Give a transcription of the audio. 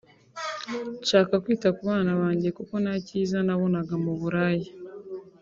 nshaka kwita ku bana banjye kuko nta kiza nabonaga mu buraya